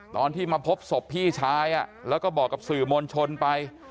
ตอนที่มาพบศพพี่ชายแล้วก็บอกกับสื่อมวลชนไป